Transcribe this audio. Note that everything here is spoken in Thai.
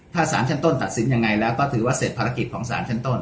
ถ้าสารชั้นต้นตัดสินยังไงแล้วก็ถือว่าเสร็จภารกิจของสารชั้นต้น